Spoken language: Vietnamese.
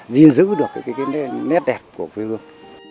giữ được cái nét đẹp của quê hương